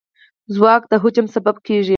ځواک د هجوم سبب کېږي.